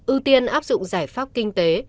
ưu tiên áp dụng giải pháp kinh tế